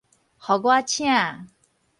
予我請